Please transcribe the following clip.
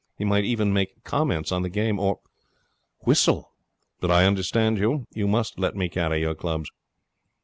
He might even make comments on the game, or whistle. But I understand you. You must let me carry your clubs.'